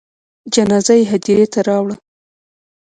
جنازه یې هدیرې ته راوړه.